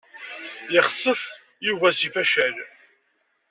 Yexsef Yuba seg facal.